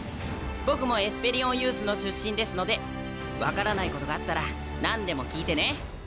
僕もエスペリオンユースの出身ですので分からないことがあったら何でも聞いてね。